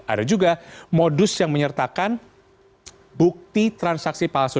ada juga modus yang menyertakan bukti transaksi palsu